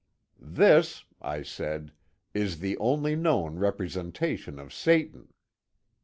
" This," I said, " is the only known representation of Sa tan."